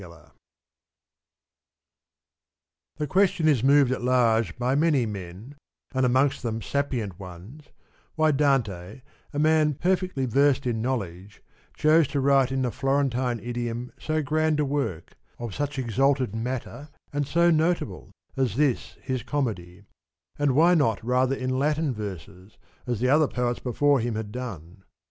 92 THE question is moved at large by many men, and amongst them sapient ones, why Dante, a man perfectly versed in knowledge, chose to write in the Florentine idiom so grand a work, of such exalted matter, and so notable, as this his Comedy ; and why not rather in Latin verses, as the other poets before him had done.